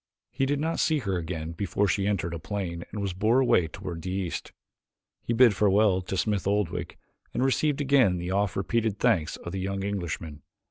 He did not see her again before she entered a plane and was borne away toward the east. He bid farewell to Smith Oldwick and received again the oft repeated thanks of the young Englishman.